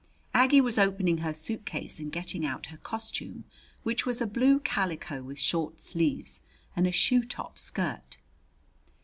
Aggie was opening her suitcase and getting out her costume, which was a blue calico with short sleeves and a shoe top skirt.